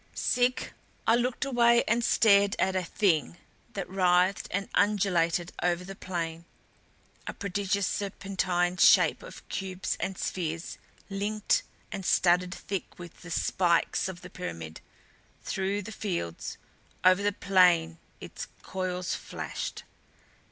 Sick, I looked away and stared at a Thing that writhed and undulated over the plain; a prodigious serpentine Shape of cubes and spheres linked and studded thick with the spikes of the pyramid. Through the fields, over the plain its coils flashed.